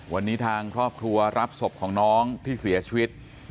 วันนี้ทางครอบครัวรับศพของน้องที่เสียชีวิต